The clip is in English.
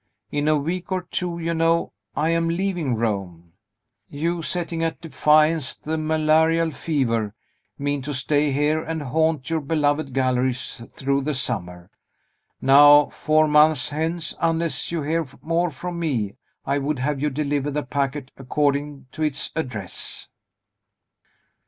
In a week or two, you know, I am leaving Rome. You, setting at defiance the malarial fever, mean to stay here and haunt your beloved galleries through the summer. Now, four months hence, unless you hear more from me, I would have you deliver the packet according to its address."